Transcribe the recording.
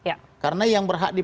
untuk cara kita mengikuti